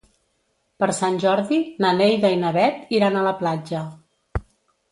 Per Sant Jordi na Neida i na Bet iran a la platja.